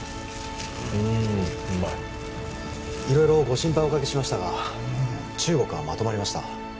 うんうまい色々ご心配おかけしましたが中国はまとまりました